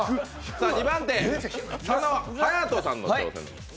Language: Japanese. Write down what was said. ２番手、佐野勇斗さんの挑戦。